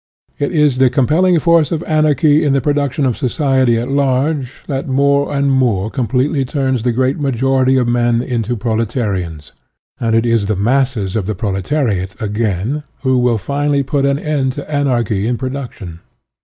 It is the com pelling force of anarchy in the production of society at large that more and more com pletely turns the great majority of men into proletarians; and it is the masses of the proletariat again who will finally put an end to anarchy in production.